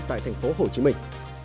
tại thành phố hồ chí minh